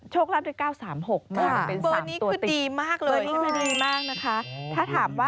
โชคลาภได้๙๓๖มาก